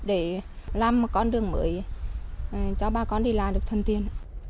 để làm một con đường mới cho bà con đi làm được thân tiên